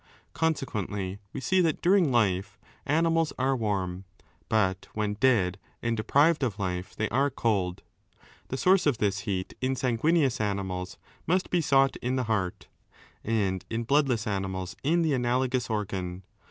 Consequently we see that during life animals are warm, but when dead and deprived of life they are cold. 4 The source of this heat in sanguineous animals must be sought in the heart, and in bloodless animals in the analogous organ.